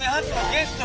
ゲスト！？